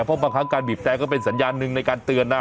เพราะบางครั้งการบีบแต่ก็เป็นสัญญาณหนึ่งในการเตือนนะ